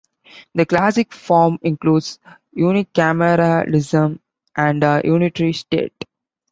The classic form includes unicameralism and a unitary state.